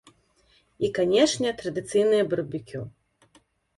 І, канешне, традыцыйнае барбекю.